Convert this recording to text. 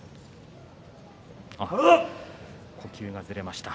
呼吸がずれました。